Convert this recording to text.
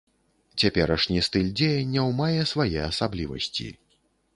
Цяперашні стыль дзеянняў мае свае асаблівасці.